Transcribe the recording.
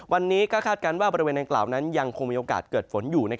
วันนี้ก็คาดการณ์ว่าบริเวณดังกล่าวนั้นยังคงมีโอกาสเกิดฝนอยู่